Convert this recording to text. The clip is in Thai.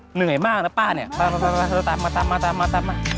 เหนื่อยมากนะป้าเนี่ยมาต่ำมา